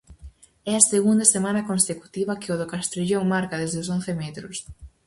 É a segunda semana consecutiva que o do Castrillón marca desde os once metros.